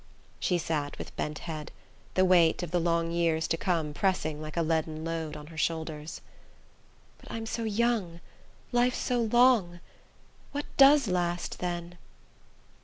She sat with bent head, the weight of the long years to come pressing like a leaden load on her shoulders. "But I'm so young... life's so long. What does last, then?"